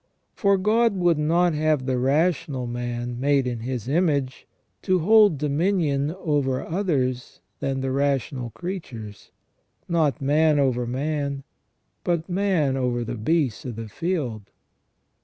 For God would not have the rational man, made in His image, to hold dominion over others than the rational creatures — not man over man, but man over the beasts of the field."